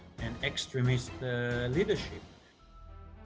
mereka menderita karena kepemimpinannya